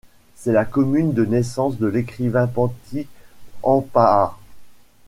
C'est la commune de naissance de l'écrivain Pentti Haanpää.